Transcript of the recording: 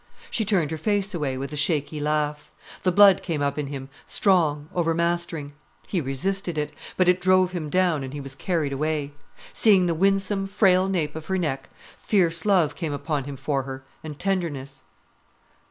She turned her face away, with a shaky laugh. The blood came up in him, strong, overmastering. He resisted it. But it drove him down, and he was carried away. Seeing the winsome, frail nape of her neck, fierce love came upon him for her, and tenderness.